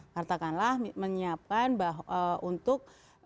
katakanlah menyiapkan untuk